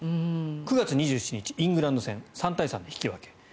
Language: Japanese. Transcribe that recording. ９月２７日、イングランド戦３対３で引き分け。